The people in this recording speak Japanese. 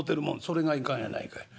「それがいかんやないかい。